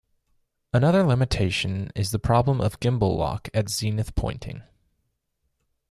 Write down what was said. Another limitation is the problem of gimbal lock at zenith pointing.